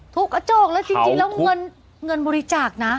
กระโจกแล้วจริงแล้วเงินบริจาคนะ